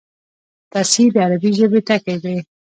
تصحیح د عربي ژبي ټکی دﺉ.